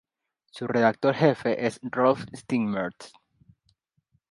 Su redactor jefe es Ralf Steinmetz.